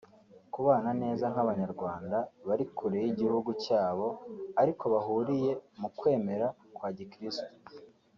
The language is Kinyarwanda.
kubana neza nk’Abanyarwanda bari kure y’igihugu cyabo ariko bahuriye mu kwemera kwa gikirisitu